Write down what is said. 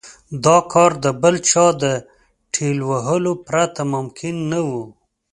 دا کار د بل چا د ټېل وهلو پرته ممکن نه و.